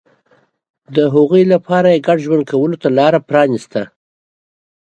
د هغوی لپاره یې ګډ ژوند کولو ته لار پرانېسته.